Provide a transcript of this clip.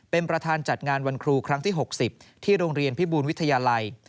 เป็นประธานจัดงานวันครูครั้งที่๖๐ที่โรงเรียนพิบูลวิทยาลัย